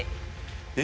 え！